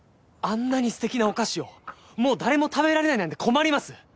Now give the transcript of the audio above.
あんなに素敵なお菓子をもう誰も食べられないなんて困ります！